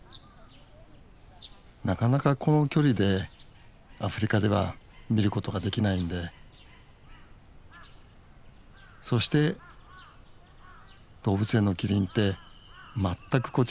なかなかこの距離でアフリカでは見ることができないんでそして動物園のキリンって全くこちらを気にしない。